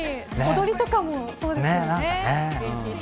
踊りとかもそうですよね。